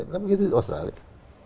tapi itu di australia